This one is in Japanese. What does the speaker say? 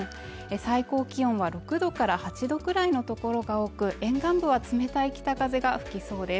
最高気温は６度から８度くらいの所が多く沿岸部は冷たい北風が吹きそうです